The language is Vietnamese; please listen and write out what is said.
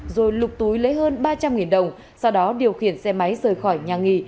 rồi lục túi lấy hơn ba trăm linh đồng sau đó điều khiển xe máy rời khỏi nhà nghỉ